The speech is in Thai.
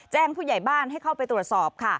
ผู้ใหญ่บ้านให้เข้าไปตรวจสอบค่ะ